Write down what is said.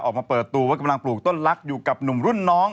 ออกมาเปิดตัวว่ากำลังปลูกต้นลักษณ์อยู่กับหนุ่มรุ่นน้อง